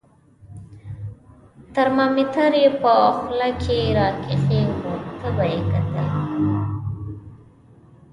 ترمامیتر یې په خوله کې را کېښود، تبه یې کتل.